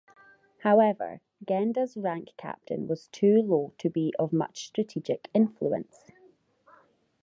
However, Genda's rank-captain-was too low to be of much strategic influence.